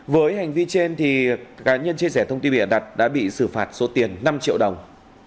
với hành vi trên cá nhân chia sẻ thông tin bịa đặt đã bị xử phạt số tiền năm triệu đồng